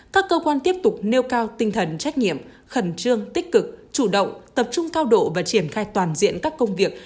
các cơ quan tiếp tục nêu cao tinh thần trách nhiệm khẩn trương tích cực chủ động tập trung cao độ và triển khai toàn diện các công việc